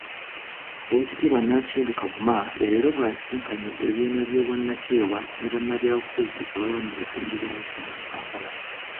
Oweekitibwa Nankindu Kavuma, leero bw'asisinkanye ebibiina by'obwannakyewa ne bannabyabufuzi abalwanirira eddembe ly'abakyala mu Kampala.